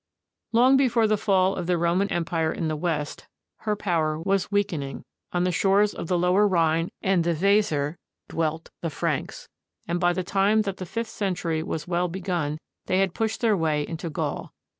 Long before the fall of the Roman Empire in the West, her power was weakening. On the shores of the lower Rhine and the Weser dwelt the Franks, and by the time that the fifth century was well begun, they had pushed their way into Gaul.